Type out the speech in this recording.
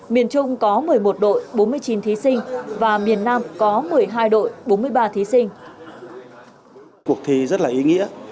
miền trung có một mươi một đội bốn mươi chín thí sinh